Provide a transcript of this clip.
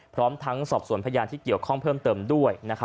พร้อมทั้งสอบส่วนพยานที่เกี่ยวข้องเพิ่มเติมด้วย